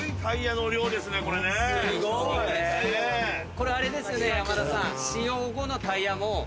これあれですよね山田さん。